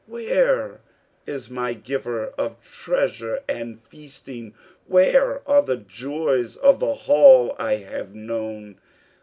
Where is my giver of treasure and feasting? Where are the joys of the hall I have known?